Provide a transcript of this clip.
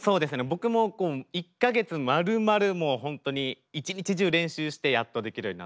僕も１か月まるまるもう本当に一日中練習してやっとできるようになったという。